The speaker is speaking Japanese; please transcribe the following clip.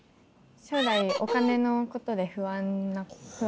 将来お金のことで不安です。